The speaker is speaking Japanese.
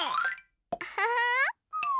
アハハー！